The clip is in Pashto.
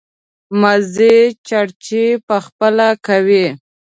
مزې چړچې په خپله کوي.